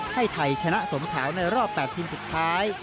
ให้ไทยชนะสมขาวในรอบ๘ทีมสุดท้าย